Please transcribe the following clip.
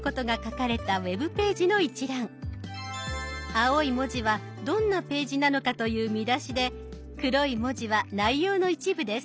青い文字はどんなページなのかという見出しで黒い文字は内容の一部です。